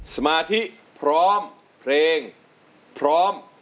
สมาธิพร้อมเพลงพร้อม